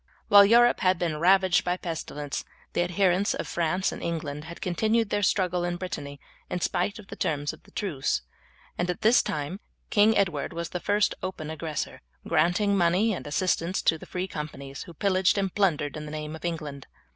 While Europe had been ravaged by pestilence the adherents of France and England had continued their struggle in Brittany in spite of the terms of the truce, and this time King Edward was the first open aggressor, granting money and assistance to the free companies, who pillaged and plundered in the name of England.